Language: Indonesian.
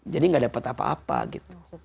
jadi gak dapet apa apa gitu